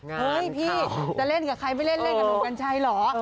เฮ้ยพี่จะเล่นกับใครไม่เล่นเล่นกับหนุ่มกัญชัยเหรอ